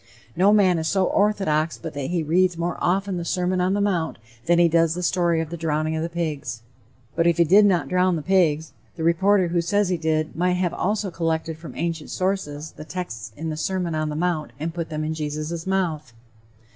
No man is so orthodox but that he reads more often the Sermon on the Mount than he does the story of the drowning of the pigs." But if he did not "drown the pigs," the reporter who says he did might have also collected from ancient sources the texts in the Sermon on the Mount and put them in Jesus' mouth.